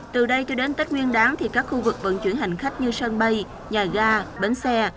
từ đây cho đến tết nguyên đáng thì các khu vực vận chuyển hành khách như sân bay nhà ga bến xe